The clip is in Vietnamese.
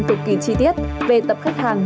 cực kỳ chi tiết về tập khách hàng